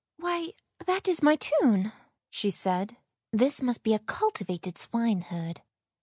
" Why, that is my tune," she said; " this must be a cultivated swineherd.